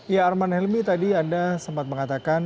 ya arman helmi tadi anda sempat mengatakan